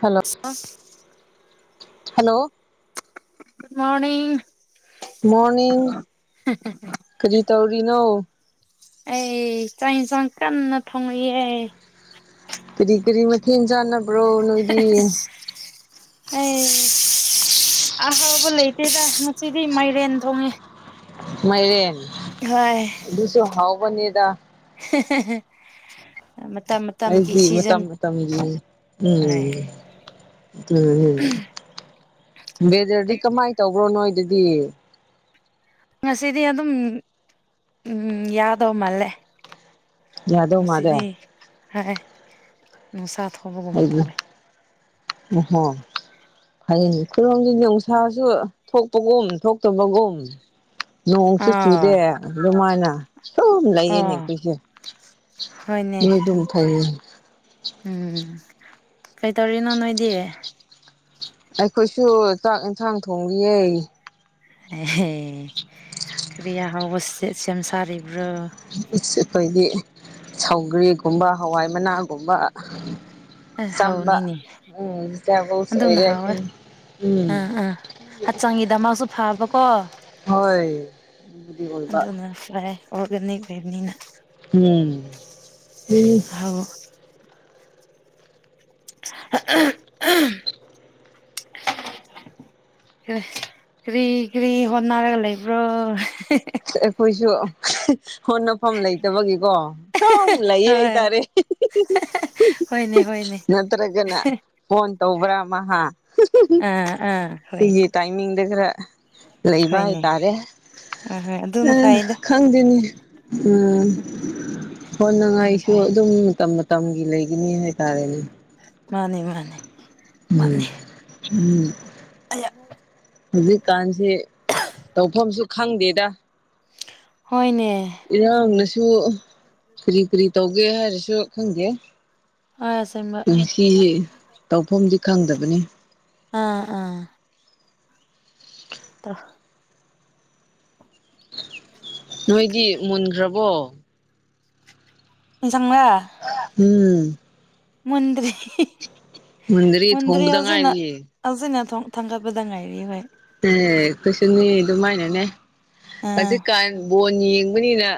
hello hello ꯊꯨꯠ morning morning ꯀꯔꯤ ꯇꯧꯔꯤꯅꯣ ꯑꯩ ꯆꯥꯛ ꯏꯟꯁꯥꯡ ꯀꯟꯅ ꯊꯣꯡꯉꯤꯌꯦ ꯀꯔꯤ ꯀꯔꯤ ꯃꯊꯦꯜ ꯆꯥꯟꯅꯕ꯭ꯔꯣ ꯅꯣꯏꯗꯤ ꯑꯦ ꯑꯍꯥꯎꯕ ꯂꯩꯇꯦꯗ ꯉꯁꯤꯗꯤ ꯃꯥꯏꯔꯦꯟ ꯊꯣꯡꯉꯦ ꯃꯥꯢꯔꯦꯟ ꯍꯣꯏ ꯑꯗꯨꯁꯨ ꯍꯥꯎꯕꯅꯤꯗ ꯍꯦ ꯍꯦ ꯍꯦ ꯑꯩꯗꯤ ꯃꯇꯝ ꯃꯇꯝꯒꯤ ꯍꯣꯏ ꯃꯤꯅꯤ ꯎꯝꯝ ꯕꯦꯗꯔꯗꯤ ꯀꯃꯥꯏꯅ ꯇꯧꯕ꯭ꯔꯣ ꯅꯣꯏꯗꯗꯤ ꯉꯁꯤꯗꯤ ꯑꯗꯨꯝ ꯎꯝ ꯌꯥꯗꯧ ꯃꯥꯜꯂꯦ ꯌꯥꯗꯧ ꯃꯥꯜꯂꯦ ꯉꯁꯤꯗꯤ ꯍꯥꯏ ꯅꯨꯡꯁꯥꯗꯣ ꯍꯥꯏꯕꯨ ꯎꯍꯣ ꯍꯌꯦꯡ ꯑꯩꯈꯣꯢꯔꯣꯝꯒꯤ ꯅꯨꯡꯁꯥꯁꯨ ꯊꯣꯛꯄꯒꯨꯝ ꯊꯣꯛꯇꯕꯒꯨꯝ ꯅꯣꯡꯁꯨ ꯆꯨꯗꯦ ꯑꯥ ꯑꯗꯨꯃꯥꯏꯅ ꯁꯨꯝ ꯂꯩꯌꯦꯅꯦ ꯑꯥ ꯀꯔꯤꯅꯣ ꯍꯣꯏꯅꯦ ꯅꯣꯏꯗꯨꯝ ꯐꯩꯌꯦ ꯎꯝ ꯀꯩꯇꯧꯔꯤꯅꯣ ꯅꯣꯏꯗꯤ ꯑꯩꯈꯣꯏꯁꯨ ꯆꯥꯛ ꯌꯦꯟꯁꯥꯡ ꯊꯣꯡꯉꯤꯌꯦ ꯑꯦ ꯀ꯭ꯔꯤ ꯑꯍꯥꯎꯕ ꯁꯦꯝ ꯁꯥꯔꯤꯕ꯭ꯔꯣ ꯑꯩꯈꯣꯏꯒꯤ ꯁꯧꯒ꯭ꯔꯤꯒꯨꯝꯕ ꯍꯋꯥꯏ ꯃꯅꯥꯒꯨꯝꯕ ꯑꯁ ꯃꯆꯝꯕ ꯍꯥꯎꯅꯤꯅꯦ ꯎꯝ ꯇꯔꯕꯨꯁ ꯑꯣꯢꯔꯦ ꯑꯩꯈꯣꯢꯗꯤ ꯑꯝ ꯑꯝ ꯍꯛꯆꯥꯡꯒꯤꯗꯃꯛꯁꯨ ꯐꯕꯀꯣ ꯍꯣꯏ ꯗꯨꯕꯨꯗꯤ ꯑꯣꯢꯕ ꯁꯥꯏ ꯑꯣꯒꯅꯤ ꯂꯩꯕꯅꯤꯅ ꯎꯝ ꯎꯝ ꯍꯥꯎ [inaudible] ꯀ꯭ꯔꯤ ꯀ꯭ꯔꯤ ꯍꯣꯠꯅꯔꯒ ꯂꯩꯕ꯭ꯔꯣ ꯑꯩꯈꯣꯏꯁꯨ ꯍꯣꯠꯅꯐꯝ ꯂꯩꯇꯕꯒꯤꯀꯣ ꯁꯨꯝ ꯂꯩꯌꯦ ꯍꯣꯏ ꯍꯥꯏꯇꯥꯔꯦ ꯍꯣꯏꯅꯦ ꯍꯣꯏꯅꯦ ꯅꯠꯇ꯭ꯔꯒꯅ ꯐꯣꯟ ꯇꯧꯕ꯭ꯔ ꯃꯍꯥ ꯑꯥ ꯑꯥ ꯍꯣꯏ ꯁꯤꯒꯤ ꯇꯥꯏꯃꯤꯡꯗ ꯈꯔ ꯂꯩꯕ ꯍꯥꯏꯇꯥꯔꯦ ꯍꯣꯢ ꯍꯣꯢ ꯈꯪꯗꯦꯅꯦ ꯎꯝ ꯑꯗꯨꯅ ꯍꯣꯟꯅꯉꯥꯏꯁꯨ ꯐꯩ ꯑꯗꯨꯝ ꯇꯝ ꯃꯇꯝꯒꯤ ꯂꯩꯒꯅꯤ ꯍꯥꯏꯇꯥꯔꯦꯅꯦ ꯃꯥꯅꯦ ꯃꯥꯅꯦ ꯎꯝ ꯎꯝ ꯑꯩꯌꯥ ꯍꯧꯖꯤꯛꯀꯥꯟꯁ‌ꯦ ꯇꯧꯐꯝꯁꯨ ꯈꯪꯗꯦꯗ ꯍꯣꯢꯅꯦ ꯏꯔꯥꯡꯅꯁꯨ ꯀꯔꯤ ꯀꯔꯤ ꯇꯧꯒꯦꯔ ꯍꯥꯏꯔꯁꯨ ꯈꯪꯗ‌ꯦ ꯍꯣꯏ ꯑꯁꯦꯡꯕ ꯄꯨꯟꯁꯤ ꯁ‌ꯦ ꯇꯧꯐꯝꯗꯤ ꯈꯪꯗꯕꯅꯤ ꯑꯥ ꯑꯥ ꯇꯧ ꯅꯣꯏꯗꯤ ꯃꯨꯟꯈ꯭ꯔꯕꯣ ꯢꯟꯁꯥꯡꯔꯥ ꯎꯝ ꯃꯟꯗ꯭ꯔꯤ ꯃꯨꯟꯗꯔꯤ ꯃꯟꯗ꯭ꯔꯤ ꯊꯣꯡꯕꯗ ꯍꯧꯖꯤꯛꯅꯥ ꯉꯥꯏꯔꯤꯌꯦ ꯍꯧꯖꯤꯛꯅ ꯊꯥꯡꯒꯠꯄꯗ ꯉꯥꯏꯔꯤ ꯍꯣꯏ ꯑꯝ ꯑꯩꯈꯣꯢꯁꯨꯅꯦ ꯑꯗꯨꯃꯥꯏꯅꯅꯦ ꯑꯥ ꯍꯧꯖꯤꯛꯀꯥꯟ ꯕꯣꯟ ꯌꯦꯡꯕꯅꯤꯅ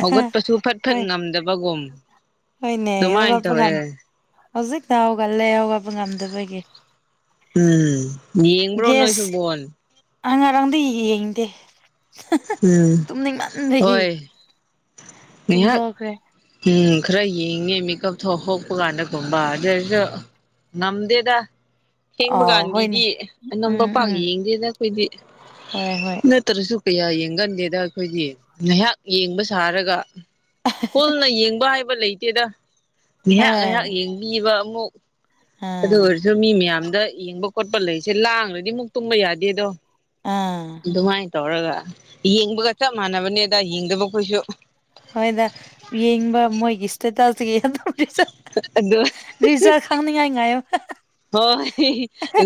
ꯍꯧꯒꯠꯄꯁꯨ ꯐꯠ ꯐꯠ ꯍꯣꯏ ꯉꯝꯗꯕꯒꯨꯝ ꯍꯣꯏꯅꯦ ꯑꯗꯨꯃꯥꯏꯅ ꯍꯧꯒꯠꯄ ꯇꯧꯋꯦ ꯉꯝ ꯍꯧꯖꯤꯛꯇ ꯍꯧꯒꯠꯂꯦ ꯍꯧꯒꯠꯄ ꯉꯝꯗꯕꯒꯤ ꯎꯝ ꯌꯦꯡꯕ꯭ꯔꯣ ꯅꯣꯏꯁꯨ ꯕꯣꯟ ꯑ ꯉꯔꯥꯡꯗꯤ ꯌꯦꯡꯗꯦ ꯎꯝ ꯇꯨꯝꯅꯤꯡꯃꯟꯕꯒꯤ ꯍꯣꯏ ꯉꯥꯏꯍꯥꯛ ꯇꯨꯝꯊꯣꯛꯈ꯭ꯔꯦ ꯎꯝ ꯈꯔ ꯌꯦꯡꯉꯦ ꯃꯦꯀꯞ ꯊ‌ꯣꯛ ꯍ‌ꯣꯛꯄ ꯀꯥꯟꯗꯒꯨꯝꯕ ꯑꯗꯨꯏꯁꯨ ꯉꯝꯗꯦꯗ ꯊꯦꯡꯕ ꯑꯥ ꯍꯣꯏꯅꯦ ꯀꯥꯟꯒꯤꯗꯤ ꯑꯅꯝꯕ ꯎꯝ ꯄꯥꯛ ꯎꯝ ꯌꯦꯡꯗꯦꯗꯥ ꯑꯩꯈꯣꯏꯗꯤ ꯍꯣꯏ ꯍꯣꯏ ꯅꯠꯇ꯭ꯔꯁꯨ ꯀꯌꯥ ꯌꯦꯡꯒꯟꯗꯦꯗ ꯑꯩꯈꯣꯏꯒꯤ ꯉꯥꯏꯍꯥꯛ ꯌꯦꯡꯕ ꯁꯥꯔꯒ ꯄꯨꯟꯅ ꯌꯦꯡꯕ ꯍꯥꯏꯕ ꯂꯩꯇꯦꯗ ꯉꯥꯏꯍꯥꯛ ꯍꯣꯏ ꯉꯥꯏꯍꯥꯛ ꯌꯦꯡꯕꯤꯕ ꯑꯃꯨꯛ ꯑꯗꯨ ꯑꯥ ꯑꯣꯏꯔꯁꯨ ꯃꯤ ꯃꯌꯥꯝꯗ ꯌꯦꯡꯕ ꯈꯣꯠꯄ ꯂꯩꯁꯦ ꯂꯥꯡꯂꯗꯤ ꯃꯨꯛ ꯇꯨꯝꯕ ꯌꯥꯗꯦꯗꯣ ꯑꯥ ꯑꯗꯨꯃꯥꯏꯅ ꯇꯧꯔꯒ ꯌꯦꯡꯕꯒ ꯆꯞ ꯃꯥꯟꯅꯕꯅꯦꯗ ꯌꯦꯡꯗꯕ ꯈꯣꯏꯁꯨ ꯍꯣꯏꯗ ꯌꯦꯡꯕ ꯃꯣꯏꯒꯤ ꯏꯁꯇꯦꯇꯥꯁꯇꯒꯤ ꯑꯗꯨꯝ ꯑꯥ ꯑꯗ‌ꯣꯏ ꯔꯤꯖꯜ ꯈꯪꯅꯤꯡꯉꯥꯏ ꯉꯥꯏꯌ‌ꯣ ꯍꯣꯏ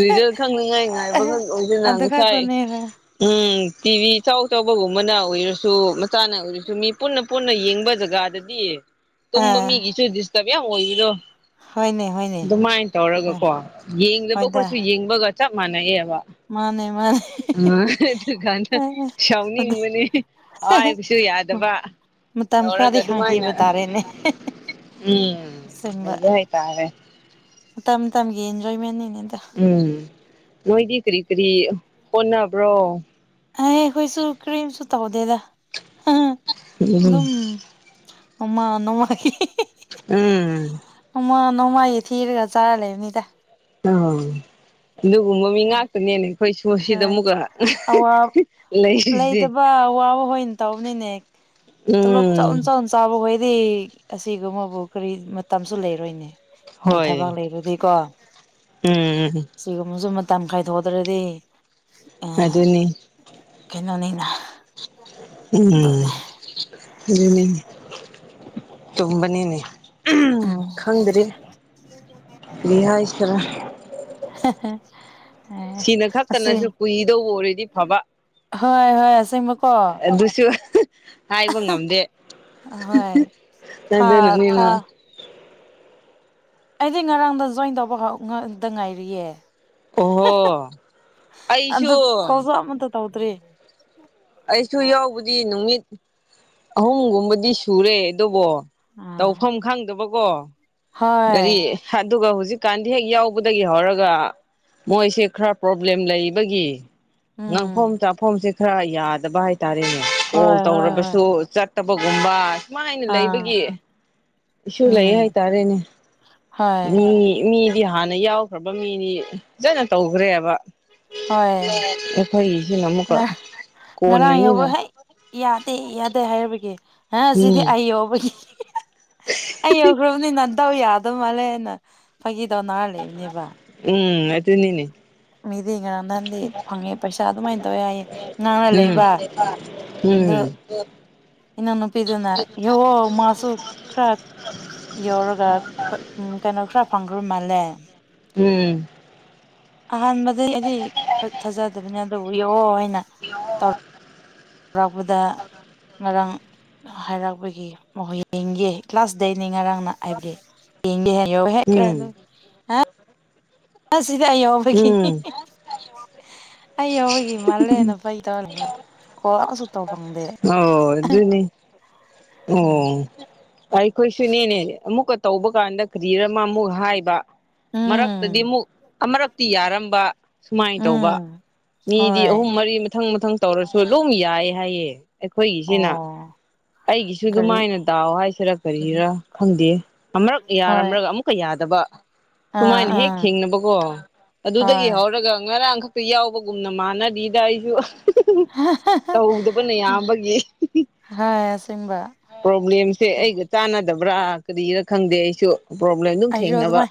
ꯔꯤꯖꯜ ꯈꯪꯅꯤꯉꯥꯏ ꯉꯥꯏꯕꯈꯛ ꯑꯣꯏꯗꯅ ꯑꯗꯨ ꯉꯁꯥꯏ ꯈꯛꯇꯅꯦ ꯍꯣꯏ ꯎꯝ ꯇꯤꯚꯤ ꯆꯥꯎ ꯆꯥꯎꯕꯒꯨꯝꯕꯅ ‌ꯑꯣꯏꯔꯁꯨ ꯃꯆꯥꯅ ꯑꯣꯏꯔꯁꯨ ꯃꯤ ꯄꯨꯟꯅ ꯄꯨꯟꯅ ꯌꯦꯡꯕ ꯖꯒꯥꯗꯗꯤ ꯇꯨꯝꯕ ꯑꯥ ꯃꯤꯒꯤꯁꯨ ꯗꯤꯁ ꯇꯔꯞ ꯌꯥꯝ ꯑ‌ꯣꯏꯕꯗꯣ ꯍ‌ꯣꯏꯅ‌ꯦ ꯍ‌ꯣꯏꯅ‌ꯦ ꯀꯣ ꯌꯦꯡꯗꯕꯈꯣꯏꯁꯨ ꯌꯦꯡꯕꯒ ꯆꯞ ꯃꯥꯟꯅꯩꯕ ꯃꯥꯅꯦ ꯃꯥꯅꯦ ꯑꯥ ꯑꯗꯨ ꯀꯟꯗ ꯁꯥꯎꯅꯤꯡꯕꯅꯦ ꯍꯥꯏꯕꯁꯨ ꯌꯥꯗꯕ ꯃꯇꯝ ꯇꯧꯔꯒ ꯈꯔꯗꯤ ꯈꯥꯡꯈꯤꯕ ꯑꯗꯨꯃꯥꯏꯅ ꯇꯥꯔꯦꯅꯦ ꯎꯝ ꯑ ꯑꯁꯦꯡꯕ ꯍꯣꯏ ꯇꯥꯥꯔꯦ ꯃꯇꯝ ꯃꯇꯝꯒꯤ ꯏꯟꯖꯣꯏꯃꯦꯟꯅꯤꯅ‌ꯦ ꯗ‌ꯣ ꯎꯝ ꯅꯣꯏꯗꯤ ꯀꯔꯤ ꯀꯔꯤ ꯍꯣꯠꯅꯕ꯭ꯔꯣ ꯑꯦ ꯑꯩꯈꯣꯏꯁꯨ ꯀꯔꯤꯝꯁꯨ ꯇꯧꯗꯦꯗ ꯎꯝ ꯑꯗꯨꯝ ꯎꯃ ꯅꯣꯡꯃ ꯎꯝ ꯅꯣꯡꯃ ꯅꯣꯡꯃꯒꯤ ꯊꯤꯔꯒ ꯆꯥꯔ ꯂꯩꯕꯅꯤꯗ ꯑ ꯑꯗꯨꯒꯨꯝꯕ ꯃꯤ ꯉꯥꯛꯇ‌ꯅꯤꯅꯦ ꯑꯩꯈꯣꯏ ꯁ‌ꯣꯝ ꯁꯤꯗ ꯍꯣꯏ ꯑꯃꯨꯛꯀ ꯂꯩꯔꯤꯁꯦ ꯋꯥꯕ ꯍꯣꯏ ꯇꯧꯕꯅꯤꯅꯦ ꯎꯝ ꯆꯥꯎꯕꯍꯣꯏꯗꯤ ꯑꯁꯤꯒꯨꯝꯕꯕꯨ ꯀꯔꯤ ꯃꯇꯝꯁꯨ ꯂꯩꯔꯣꯏꯅꯦ ꯃꯣꯏ ꯊꯕꯛ ꯍꯣꯏ ꯂꯩꯈꯔꯗꯤꯀꯣ ꯎꯝ ꯁꯤꯒꯨꯝꯕꯁꯨ ꯃꯇꯝ ꯈꯥꯏꯗꯣꯛꯇ꯭ꯔꯗꯤ ꯑ ꯑꯗꯨꯅꯤ ꯀꯩꯅꯣꯅꯤꯅ ꯎꯝ ꯑꯗꯨꯅꯦ ꯑꯗꯨ ꯆꯨꯝꯕꯅꯤꯅꯦ ꯎꯝ ꯈꯪꯗ꯭ꯔꯦ ꯀꯔꯤ ꯍꯥꯏꯁꯤꯔ [inaudible] ꯑꯦ ꯁꯤꯅ ꯑꯁꯤ ꯈꯛꯇꯅꯁꯨ ꯀꯨꯏꯗꯧꯕ ꯑꯣꯏꯔꯗꯤ ꯐꯕ ꯍꯣꯏ ꯍꯣꯏ ꯑꯁꯦꯡꯕꯀꯣ ꯑꯗꯨꯁꯨ ꯍꯥꯏꯕ ꯉꯝꯗꯦ ꯍꯣꯏ ꯊꯥ ꯊꯥ ꯑꯗꯨꯅꯅꯦꯃ ꯑꯩꯗꯤ ꯉꯔꯥꯡꯗ ꯖꯣꯏꯟ ꯇꯧꯕꯗ ꯗ ꯉꯥꯏꯔꯤꯌꯦ ꯑꯣꯍꯣ ꯑꯩꯁꯨ ꯑꯗꯨ ꯀꯣꯜꯁꯨ ꯑꯃꯇ ꯇꯧꯗ꯭ꯔꯤ ꯑꯩꯁꯨ ꯌꯥꯎꯕꯗꯤ ꯅꯨꯃꯤꯠ ꯑꯍꯨꯝꯒꯨꯝꯕꯗꯤ ꯁꯨꯔꯦ ꯑꯗꯨꯕꯨ ꯑꯥ ꯇꯧꯐꯝ ꯈꯪꯗꯕꯀꯣ ꯍꯣꯏ ꯒꯥꯔꯤ ꯑꯗꯨꯒ ꯍꯧꯖꯤꯛꯀꯥꯟꯗꯤ ꯍꯦꯛ ꯌꯥꯎꯕꯗꯒꯤ ꯍꯧꯔꯒ ꯃꯣꯏꯁꯦ ꯈꯔ ꯄ꯭ꯔꯣꯕ꯭ꯂꯦꯝ ꯂꯩꯕꯒꯤ ꯉꯥꯡꯐꯝ ꯎꯝ ꯆꯥꯐꯝꯁꯦ ꯈꯔ ꯌꯥꯗꯕ ꯍꯥꯏꯇꯥꯔꯦꯅꯦ ꯀꯣꯜ ꯍꯣꯏ ꯍꯣꯏ ꯍꯣꯏ ꯇꯧꯔꯕꯁꯨ ꯆꯠ ꯐꯠꯇꯕꯒꯨꯝꯕ ꯁꯨꯃꯥꯏꯅ ꯑꯥ ꯂꯩꯕꯒꯤ ꯏꯁꯨ ꯎꯝ ꯂꯩ ꯍꯥꯏꯇꯥꯔꯦꯅꯦ ꯍꯣꯏ ꯃꯤ ꯃꯤꯗꯤ ꯍꯥꯟꯅ ꯌꯥꯎꯈ꯭ꯔꯕ ꯃꯤꯅꯤ ꯐꯖꯅ ꯇꯧꯈ꯭ꯔꯦꯕ ꯍꯣꯏ ꯑꯩꯈꯣꯏꯒꯤꯁꯤꯅ ꯑꯃꯨꯛꯀ ꯉꯔꯥꯡ ꯌꯥꯎꯕ ꯀꯣꯟꯅꯅꯤꯅ ꯍꯦꯛ ꯌꯥꯗꯦ ꯌꯥꯗꯦ ꯍꯥꯏꯔꯕꯒꯤ ꯍꯥ ꯁꯤꯗꯤ ꯎꯝ ꯑꯩ ꯌꯣꯕꯒꯤ [unintelligible] ꯑꯩ ꯌꯧꯈ꯭ꯔꯕꯅꯤ ꯅꯥꯗꯥꯎ ꯌꯥꯗꯧ ꯃꯥꯜꯂꯦꯅ ꯅꯪ ꯐꯥꯒꯤ ꯗꯣꯅꯥꯔ ꯂꯩꯕꯅꯦꯕ ꯎꯝ ꯑꯗꯨꯅꯤꯅꯦ ꯃꯤꯗꯤ ꯉꯔꯥꯡ ꯅꯍꯥꯟꯗꯩ ꯐꯪꯉꯦ ꯄꯩꯁꯥ ꯑꯗꯨꯃꯥꯏꯅ ꯇꯧꯌꯦ ꯌꯥꯏꯌꯦ ꯅꯪꯅ ꯎꯝ ꯂꯩꯕ ꯎꯝ ꯏꯅꯥꯎ ꯅꯨꯄꯤꯗꯨꯅ ꯌꯦꯡꯉꯣ ꯃꯥꯁꯨ ꯈꯔ ꯌꯧꯔꯒ ꯄꯠ ꯎꯝ ꯀꯩꯅꯣ ꯈꯔ ꯐꯪꯈꯔꯕ ꯃꯥꯜꯂꯦ ꯎꯝ ꯑꯍꯥꯟꯕꯗꯗꯤ ꯑꯩꯗꯤ ꯊꯥꯖꯗꯕꯅꯦ ꯑꯗꯨꯕꯨ ꯌꯦꯑꯣ ꯍꯥꯏꯅ [inaudible] ꯌꯥꯎꯔꯛꯄꯗ ꯉꯔꯥꯡ ꯍꯥꯏꯔꯛꯄꯒꯤ ꯍꯣꯏ ꯌꯦꯡꯒꯦ ꯀ꯭ꯂꯥꯁꯗꯩꯅꯤ ꯉꯔꯥꯡꯅ ꯍꯥꯏꯕꯗꯤ [inaudible] ꯑꯗꯨ ꯎꯝ ꯑꯁꯤꯗꯤ ꯑꯩ ꯌꯥꯎꯕꯒꯤꯅꯤ ꯎꯝ ꯑꯩ ꯌꯥꯎꯕꯒꯤ ꯃꯥꯜꯂꯦꯅ ꯐꯥꯒꯤ ꯇꯧꯔꯒ ꯀꯣꯜꯁꯨ ꯇꯧ ꯐꯪꯗꯦ ꯑꯣ ꯑꯗꯨꯅꯤ ꯎꯝ ꯑꯣ ꯑꯩꯈꯣꯏꯁꯨꯅꯦꯅꯦ ꯑꯃꯨꯛꯀ ꯇꯧꯕ ꯀꯥꯟꯗ ꯀꯔꯤꯔ ꯑꯃ ꯑꯃꯨꯛ ꯍꯥꯏꯕ ꯃꯔꯛꯇꯗꯤ ꯎꯝ ꯑꯃꯨꯛ ꯑꯃꯔꯛꯇꯤ ꯌꯥꯔꯝꯕ ꯁꯨꯃꯥꯏꯅ ꯇꯧꯕ ꯎꯝ ꯃꯤꯗꯤ ꯍꯣꯏ ꯑꯍꯨꯝ ꯃꯔꯤ ꯃꯊꯪ ꯃꯊꯪ ꯇꯧꯔꯁꯨ ꯗꯨꯝ ꯌꯥꯏꯌꯦ ꯍꯥꯏꯌꯦ ꯑꯩꯈꯣꯏꯒꯤꯁꯤꯅ ꯑꯣ ꯑꯩꯒꯤꯁꯨ ꯀꯔꯤ ꯑꯗꯨꯃꯥꯏꯅ ꯗꯥꯎ ꯍꯥꯏꯁꯤꯔꯥ ꯀꯔꯤꯔꯥ ꯈꯪꯗꯦ ꯑꯃꯔꯛ ꯍꯣꯏ ꯌꯥꯔꯝꯂꯒ ꯑꯃꯨꯛ ꯀꯞ ꯌꯥꯗꯕ ꯑꯥ ꯁꯨꯃꯥꯏꯅ ꯍꯦꯛ ꯑꯥ ꯊꯦꯡꯅꯕꯀꯣ ꯑꯗꯨꯗꯒꯤ ꯍꯣꯏ ꯍꯧꯔꯒ ꯉꯔꯥꯡ ꯈꯛ ꯇꯨ ꯌꯥꯎꯕꯒꯨꯝꯅ ꯃꯥꯟꯅꯔꯤꯗ ꯑꯩꯁꯨ ꯇꯧꯗꯕꯅ ꯌꯥꯝꯕꯒꯤ [unintelligible] ꯍꯥ ꯑꯁꯦꯡꯕ ꯄ꯭ꯔꯣꯕ꯭ꯂꯦꯝꯁꯦ ꯑꯩꯒ ꯆꯥꯟꯅꯗꯕ꯭ꯔꯥ ꯀꯔꯤꯔꯥ ꯈꯪꯗꯦ ꯑꯩꯁꯨ ꯄ꯭ꯔꯣꯕ꯭ꯂꯦꯝ ꯑꯗꯨꯝ ꯑꯩꯁꯨ ꯊꯦꯡꯅꯕ ꯑꯗꯨꯃꯥꯏꯅ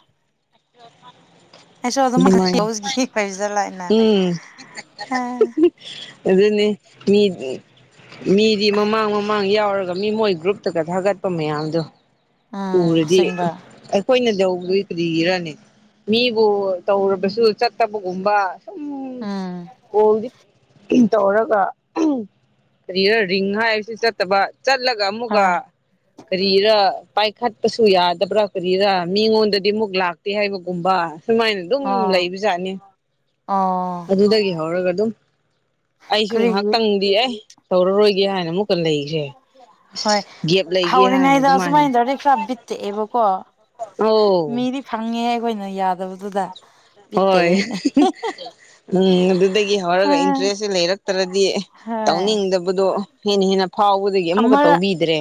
ꯑꯩꯁꯨ ꯑꯗꯨꯝ ꯑꯗꯨꯃꯥꯏꯅ ꯂꯧꯁꯤꯈꯤ ꯈꯁꯤꯗ ꯂꯥꯛꯑꯏꯅ ꯎꯝ ꯑꯦ ꯑꯗꯨꯅꯤ ꯃꯤꯗꯤ ꯃꯃꯥꯡ ꯃꯃꯥꯡ ꯌꯥꯎꯔꯒ ꯃꯤ ꯃꯣꯏ ꯒ꯭ꯔꯨꯞꯇꯒ ꯊꯥꯒꯠꯄ ꯃꯌꯥꯝꯗꯣ ꯎꯝ ꯎꯔꯗꯤ ꯑꯁꯦꯡꯕ ꯑꯩꯈꯣꯏꯅ ꯌꯧꯕꯗꯨꯒꯤ ꯀꯗꯤꯔꯅꯤ ꯃꯤꯕꯨ ꯇꯧꯔꯕꯁꯨ ꯆꯠꯇꯕꯒꯨꯝꯕ ꯁꯨꯝ ꯎꯝ ꯀꯣꯜꯗꯤ ꯇꯧꯔꯒ ꯀꯔꯤꯔ ꯔꯤꯡ ꯍꯥꯏꯕꯁꯤ ꯆꯠꯇꯕ ꯆꯠꯂꯒ ꯑꯃꯨꯛꯀ ꯍꯣꯏ ꯀꯔꯤꯔ ꯄꯥꯏ ꯈꯠꯄꯁꯨ ꯌꯥꯗꯕ꯭ꯔꯥ ꯀꯔꯤꯔꯥ ꯃꯤꯉꯣꯟꯗꯗꯤ ꯑꯃꯨꯛ ꯂꯥꯛꯇꯦ ꯍꯥꯏꯕꯒꯨꯝꯕ ꯁꯨꯃꯥꯏꯅ ꯑꯗꯨꯝ ꯑꯣ ꯂꯩꯕꯖꯥꯠꯅꯤ ꯑꯣ ꯑꯗꯨꯗꯒꯤ ꯍꯧꯔꯒ ꯑꯗꯨꯝ ꯑꯩꯁꯨ ꯀꯔꯤꯒꯤ ꯉꯥꯏꯍꯥꯛꯇꯪꯗꯤ ꯑꯦ ꯇꯧꯔꯔꯣꯏꯒꯦ ꯍꯥꯏꯅ ꯃꯨꯛ ꯍꯣꯏ ꯂꯩꯒꯦ ꯍꯥꯏꯅ ꯍꯧꯔꯤꯉꯩꯗ ꯑꯗꯨꯃꯥꯏꯅ ꯁꯨꯃꯥꯏꯅ ꯇꯧꯔꯗꯤ ꯈꯔ ꯕꯤꯠ ꯇꯦꯛꯑꯦꯕꯀꯣ ꯑꯧ ꯃꯤꯗꯤ ꯐꯪꯉꯦ ꯑꯩꯈꯣꯏꯅ ꯌꯥꯗꯕꯗꯨꯗ ꯍꯣꯏ ꯕꯤꯠꯇꯦꯛꯏꯅꯦ [unintelligible] ꯎꯝ ꯑꯗꯨꯗꯒꯤ ꯍꯧꯔꯒ ꯏꯟꯇꯥꯔꯦꯁ ꯁꯦ ꯂꯩꯔꯛꯇ꯭ꯔꯗꯤ ꯍꯣꯏ ꯗꯣ ꯍꯦꯟꯅ ꯍꯦꯟꯅ ꯐꯥꯎꯕꯗꯒꯤ ꯑꯃꯨꯛꯀ ꯇꯧꯕꯤꯗ꯭ꯔꯦ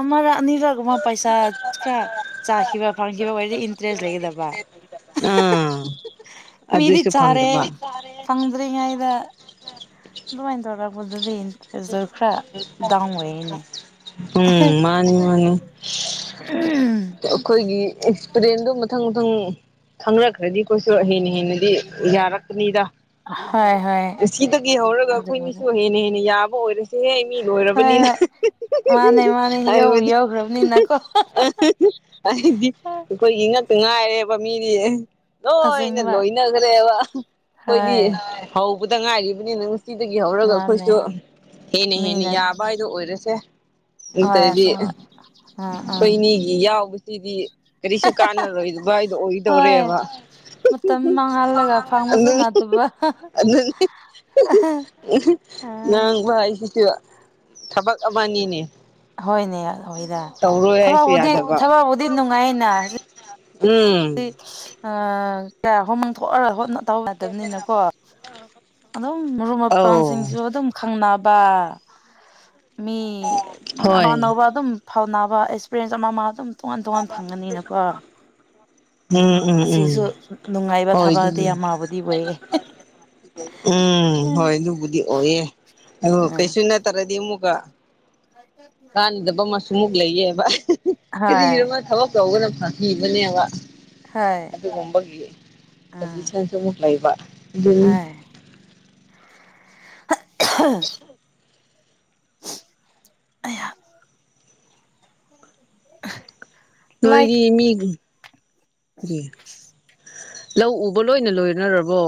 ꯑꯃꯔꯥ ꯑꯅꯤꯔ ꯒꯨꯝꯕ ꯄꯩꯁꯥ ꯈꯔ ꯆꯥꯈꯤꯕ ꯐꯪꯈꯤꯕ ꯑꯣꯏꯔꯗꯤ ꯏꯟꯇꯔꯦꯁ ꯂꯩꯒꯗꯕ ꯑꯥ ꯃꯤꯗꯤ ꯑꯗꯨꯁꯨ ꯆꯥꯔꯦ ꯐꯪꯗꯕ ꯐꯪꯗ꯭ꯔꯤꯉꯥꯏꯗ ꯑꯗꯨꯗꯨꯃꯥꯏ ꯇꯧꯔꯛꯄꯗꯗꯤ ꯎꯝ ꯃꯥꯅꯤ ꯃꯥꯅꯤ ꯎꯝ ꯑꯩꯈꯣꯏꯒꯤ ꯑꯦꯛꯁꯄꯔꯦꯟꯗꯣ ꯃꯊꯪ ꯃꯊꯪ ꯈꯪꯅꯛꯈ꯭ꯔꯗꯤ ꯑꯩꯈꯣꯏꯁꯨ ꯍꯩꯅꯤ ꯍꯦꯟꯅꯗꯤ ꯌꯥꯔꯛ ꯀꯅꯤꯗ ꯍꯣꯏ ꯍꯣꯏ ꯉꯥꯁꯤꯗꯒꯤ ꯍꯧꯔꯒ ꯑꯩꯈꯣꯏ ꯑꯗꯨꯕꯨꯗꯤ ꯑꯥꯃꯤꯁꯨ ꯍꯣꯏ ꯍꯦꯟꯅ ꯍꯦꯟꯅ ꯌꯥꯕ ꯑꯣꯏꯔꯁꯦꯍꯦ ꯃꯤ ꯂꯣꯏꯔꯕꯅꯤꯅ ꯍꯣꯏ [unintelligible] ꯃꯥꯅꯦ ꯃꯥꯅꯦ ꯌꯧꯕꯨ ꯍꯥꯏꯕꯗꯤ ꯌꯧꯈ꯭ꯔꯕꯅꯤꯅꯀꯣ ꯑꯩꯗꯤ ꯑꯩꯈꯣꯏꯒꯤ ꯉꯛꯇ ꯉꯥꯏꯔꯦꯕ ꯃꯤꯗꯤ ꯂꯣꯏꯅ ꯑꯁꯦꯡꯕ ꯂꯣꯏꯅꯈ꯭ꯔꯦꯕ ꯑꯩꯈꯣꯏꯗꯤ ꯍꯣꯏ ꯍꯧꯕꯗ ꯉꯥꯏꯔꯤꯕꯅꯤꯅ ꯁꯤꯗꯒꯤ ꯍꯧꯔꯒ ꯃꯥꯅꯦ ꯑꯩꯈꯣꯏꯁꯨ ꯍꯦꯟꯅ ꯍꯦꯟꯅ ꯃꯤꯅ ꯌꯥꯕ ꯍꯥꯏꯗꯣ ꯑꯣꯏꯔꯁꯦ ꯍꯣꯏ ꯅꯠꯇ꯭ꯔꯗꯤ ꯑꯁꯦꯡꯕ ꯎꯝ ꯎꯝ ꯑꯩꯈꯣꯏ ꯑꯅꯤꯒꯤ ꯌꯥꯎꯕꯁꯤꯗꯤ ꯀꯔꯤꯁꯨ ꯀꯥꯟꯅꯔꯣꯏꯗꯕ ꯍꯥꯏꯗꯣ ꯍꯣꯏ ꯑꯣꯏꯗꯧꯔꯦꯕ ꯃꯇꯝ ꯃꯥꯡꯍꯜꯂꯒ ꯐꯪꯕꯁꯨ ꯅꯠꯇꯕ [unintelligible] ꯑꯥ ꯉꯥꯡꯕ ꯍꯥꯏꯁꯤꯁꯨ ꯊꯕꯛ ꯑꯃꯅꯤꯅꯦ ꯍꯣꯏꯅꯦ ꯑꯣꯏꯗ ꯇꯧꯔꯣꯏ ꯊꯕꯛ ꯍꯥꯏꯁꯨ ꯕꯨꯗꯤ ꯌꯥꯗꯕ ꯊꯕꯛꯕꯨꯗꯤ ꯅꯨꯡꯉꯥꯏꯅ ꯎꯝ ꯀꯌꯥ ꯍꯨꯝ [unintelligible] ꯇꯧ ꯌꯥꯗꯕꯅꯤꯅꯀꯣ ꯑꯗꯨꯝ ꯃꯔꯨꯞ ꯑꯧ ꯃꯄꯥꯡꯁꯤꯡꯁꯨ ꯑꯗꯨꯝ ꯈꯪꯅꯕ ꯃꯤ ꯑꯅꯧ ꯍꯣꯏ ꯑꯅꯧꯕ ꯑꯗꯨꯝ ꯐꯥꯎꯅꯕ ꯑꯦꯛꯁꯄꯤꯔꯦꯟꯁ ꯑꯃ ꯑꯃ ꯑꯗꯨꯝ ꯇꯣꯉꯥꯟ ꯇꯣꯉꯥꯟ ꯐꯪꯒꯅꯤꯅꯀꯣ ꯎꯝ ꯎꯝ ꯎꯝ ꯑꯁꯤꯁꯨ ꯅꯨꯡꯉꯥꯏꯕ ꯍꯣꯏ ꯊꯕꯛꯗꯤ ꯑꯗꯨꯗꯤ ꯑꯃꯥꯕꯨꯗꯤ ꯑꯣꯏꯌꯦ ꯎꯝ ꯍꯣꯏ ꯑꯗꯨꯕꯨꯗꯤ ꯑꯣꯏꯑꯦ ꯑ ꯎꯝ ꯀꯩꯁꯨ ꯅꯠꯇ꯭ꯔꯗꯤ ꯑꯃꯨꯛꯀ ꯀꯥꯟꯅꯗꯕ ꯑꯃꯁꯨꯃꯨꯛ ꯂꯩꯌꯦꯕ ꯍꯣꯏ ꯀꯔꯤꯔ ꯊꯕꯛ ꯇꯧꯕꯅ ꯐꯕꯅꯦꯕ ꯍꯣꯏ ꯑꯗꯨꯒꯨꯝꯕꯒꯤ ꯀꯟꯗꯤꯁꯟ ꯂꯩꯕ ꯑꯗꯨꯅꯤ ꯍꯥꯏ [unintelligible] [unintelligible] [inaudible] ꯂꯥꯏꯛ ꯅꯣꯏꯗꯤ ꯃꯤ ꯂꯧ ꯎꯕ ꯂꯣꯏꯅ ꯂꯣꯏꯅꯔꯕꯣ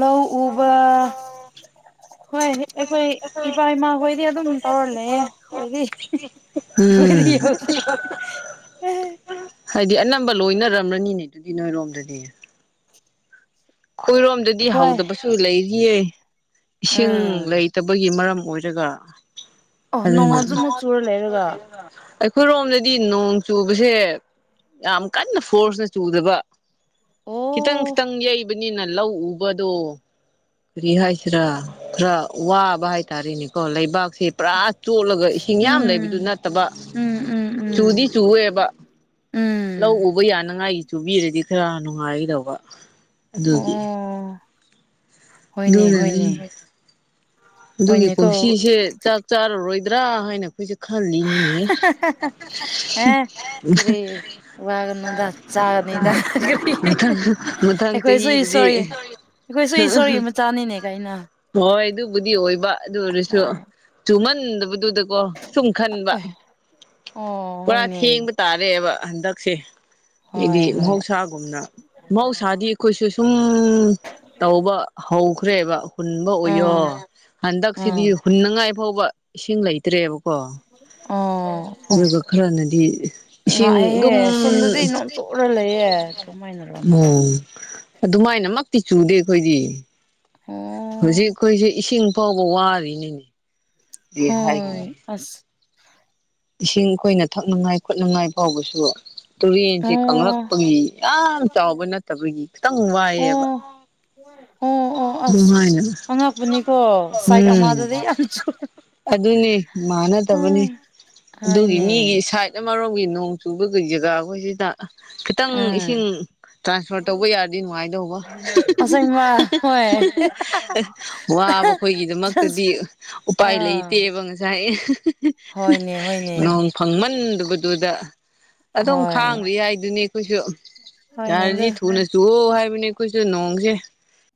ꯂ ꯎꯕ ꯍꯣꯏ ꯑꯩꯈꯣꯏ ꯏꯄꯥ ꯏꯃꯥ ꯍꯣꯏꯗꯤ ꯑꯗꯨꯝ ꯇꯧꯔꯂꯩꯌꯦ ꯃꯣꯏꯗꯤ ꯑꯣꯏꯔꯤ ꯎꯝ [inaudible] ꯍꯥꯏꯗꯤ ꯑꯅꯝꯕ ꯂꯣꯏꯅꯔꯝꯔꯅꯤꯅꯦ ꯑꯗꯨꯗꯤ ꯅꯣꯏꯔꯣꯝꯗꯗꯤ ꯑꯩꯈꯣꯏꯔꯣꯝꯗꯗꯤ ꯍꯣꯏ ꯍꯧꯗꯕꯁꯨ ꯂꯩꯔꯤꯌꯦ ꯏꯁꯤꯡ ꯂꯩ ꯎꯝ ꯐꯠꯇꯕꯒꯤ ꯃꯔꯝ ꯑꯣꯏꯔꯒ ꯑꯣ ꯑꯗꯨꯅ ꯅꯣꯡꯁꯨ ꯑꯃꯨꯛ ꯆꯨꯔ ꯂꯩꯔꯒ ꯑꯩꯈꯣꯏꯔꯣꯝꯗꯗꯤ ꯅꯣꯡ ꯆꯨꯕꯁꯦ ꯌꯥꯝ ꯀꯟꯅ ꯐꯣꯔꯁꯇ ꯆꯨꯗꯕ ꯈꯤꯇꯪ ꯑꯣ ꯈꯤꯇꯪ ꯌꯩꯕꯅꯤꯅ ꯂꯧ ꯎꯕꯗꯣ ꯀꯔꯤ ꯍꯥꯏꯁꯤꯔꯥ ꯈꯔ ꯋꯥꯕ ꯍꯥꯏꯇꯥꯔꯦꯅꯦꯀꯣ ꯂꯩꯕꯥꯛꯁꯦ ꯄꯨꯔꯥ ꯆꯣꯠꯂꯒ ꯏꯁꯤꯡ ꯌꯥꯝ ꯂꯩꯕꯗꯨ ꯎꯝ ꯅꯠꯇꯕ ꯎꯝ ꯆꯨꯗꯤ ꯎꯝ ꯆꯨꯋꯦꯕ ꯎꯝ ꯂꯧ ꯎꯕ ꯌꯥꯅꯉꯥꯏꯒꯤ ꯆꯨꯕꯤꯔꯗꯤ ꯈꯔ ꯅꯨꯡꯉꯥꯏꯒꯗꯧꯕ ꯎꯝ ꯑꯗꯨꯒꯤ ꯑꯣ ꯍꯣꯏꯅꯦ ꯗꯣꯅꯅꯤ ꯍꯣꯏꯅꯦ ꯑꯗꯨꯒꯤ ꯍꯣꯏꯅꯦꯀꯣ ꯀꯨꯝꯁꯤꯁꯦ ꯆꯥꯛ ꯆꯥꯔꯔꯣꯏꯗ꯭ꯔꯥ ꯍꯥꯏꯅ ꯑꯩꯈꯣꯏꯁꯦ ꯈꯜꯂꯤꯅꯤꯅꯦ ꯑꯦ ꯀꯔꯤ ꯋꯥꯒꯅꯨꯗ ꯆꯥꯒꯅꯤꯗ ꯀꯔꯤ [unintelligible] ꯃꯊꯪ ꯑꯩꯈꯣꯏꯁꯨ ꯆꯍꯤꯗꯗꯤ ꯏꯁꯣꯔꯒꯤ ꯑꯩꯈꯣꯏꯁꯨ ꯏꯁꯣꯔꯒꯤ ꯃꯆꯥꯅꯤꯅꯦ ꯀꯩꯅꯣ ꯍꯣꯏ ꯑꯗꯨꯕꯨꯗꯤ ꯑꯣꯏꯕ ꯑꯗꯨ ꯑꯣꯏꯔꯁꯨ ꯍꯣꯏ ꯆꯨꯝꯃꯟꯗꯕꯗꯨꯗꯀꯣ ꯁꯨꯝ ꯈꯟꯕ ꯑꯣꯏ ꯑꯣ ꯄꯨꯔꯥ ꯍꯣꯏꯅꯦ ꯊꯦꯡꯕ ꯇꯥꯔꯦꯕ ꯍꯟꯗꯛꯁꯦ ꯍꯥꯏꯗꯤ ꯍꯣꯏ ꯍꯣꯏ ꯃꯍꯧꯁꯥꯒꯨꯝꯅ ꯃꯍꯧꯁꯥꯗꯤ ꯑꯩꯈꯣꯏꯁꯨ ꯁꯨꯝ ꯇꯧꯕ ꯍꯧꯈ꯭ꯔꯦꯕ ꯍꯨꯟꯕ ꯑꯣꯏꯌꯣ ꯑꯥ ꯍꯟꯗꯛꯁꯤꯗꯤ ꯑꯥ ꯍꯨꯟꯅꯉꯥꯏ ꯐꯥꯎꯕ ꯏꯁꯤꯡ ꯂꯩꯇ꯭ꯔꯦꯕꯀꯣ ꯑꯣ ꯑꯣ ꯑꯗꯨꯒ ꯈꯔꯅꯗꯤ ꯏꯁꯤꯡ ꯑꯗꯨꯝ ꯉꯥꯛꯑꯦꯍꯦ ꯁꯨꯃꯥꯏꯅ ꯔꯣꯅꯤ [inaudible] ꯑꯣ ꯑꯗꯨꯃꯥꯏꯅꯃꯛꯇꯤ ꯆꯨꯗꯦ ꯑꯩꯈꯣꯏꯗꯤ ꯑꯣ ꯍꯧꯖꯤꯛ ꯑꯩꯈꯣꯏꯁꯦ ꯏꯁꯤꯡ ꯐꯥꯎꯕ ꯋꯥꯔꯤꯅꯤꯅꯦ ꯑꯗꯨ ꯍꯣꯏ ꯍꯥꯏꯒꯅꯤ ꯑꯁ ꯏꯁꯤꯡ ꯑꯩꯈꯣꯏꯅ ꯊꯛꯅꯤꯉꯥꯏ ꯈꯣꯠꯅꯤꯉꯥꯏ ꯐꯥꯎꯕꯁꯨ ꯇꯨꯔꯦꯟꯁꯦ ꯑꯣ ꯀꯪꯂꯛꯄꯒꯤ ꯌꯥꯝ ꯆꯥꯎꯕ ꯅꯠꯇꯕꯒꯤ ꯈꯤꯇꯪ ꯋꯥꯏꯑꯦꯕ ꯑꯣ ꯑꯣ ꯑꯣ ꯑꯁ ꯑꯗꯨꯃꯥꯏꯅ ꯑꯉꯛꯄꯅꯤꯀꯣ ꯁꯥꯏꯠ ꯑꯃꯗꯗꯤ ꯌꯥꯝ ꯆꯨꯔ ꯑꯗꯨꯅꯦ ꯃꯥꯅꯗꯕꯅꯦ ꯑꯗꯨꯒꯤ ꯍꯣꯏꯅꯦ ꯃꯤꯒꯤ ꯁꯥꯏꯠ ꯑꯃꯔꯣꯝꯒꯤ ꯅꯣꯡ ꯆꯨꯕ ꯒꯩ ꯖꯒꯥꯈꯣꯏ ꯁꯤꯗ ꯈꯤꯇꯪ ꯏꯁꯤꯡ ꯇ꯭ꯔꯥꯟꯁꯐꯔ ꯇꯧꯕ ꯌꯥꯔꯗꯤ ꯅꯨꯡꯉꯥꯏꯗꯧꯕ ꯑꯁ ꯍꯩꯃꯥ ꯍꯣꯏ ꯋꯥꯕ ꯑꯩꯈꯣꯏꯒꯤꯗꯃꯛꯇꯗꯤ ꯇ꯭ꯔꯥꯟꯁ ꯎꯄꯥꯏ ꯑꯥ ꯂꯩꯇꯦꯕ ꯉꯁꯥꯏ ꯍꯣꯏꯅꯦ ꯍꯣꯏꯅꯦ ꯅꯣꯡ ꯐꯪꯃꯟꯗꯕꯗꯨꯗ ꯑꯗꯨꯝ ꯍꯣꯏ ꯈꯥꯡꯕ ꯌꯥꯏꯗꯨꯅꯤ ꯑꯩꯈꯣꯏꯁꯨ ꯍꯣꯏꯅꯦ ꯑꯗꯨ ꯌꯥꯔꯗꯤ ꯊꯨꯅ ꯆꯨꯑꯣ ꯍꯥꯏꯕꯅꯦ ꯑꯩꯈꯣꯏꯁꯨ ꯅꯣꯡꯁꯦ